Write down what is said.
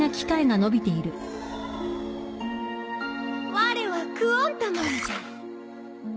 われはクオンタモンじゃ。